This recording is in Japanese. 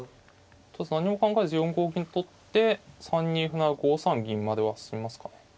何も考えず４五銀取って３二歩成５三銀までは進みますかね。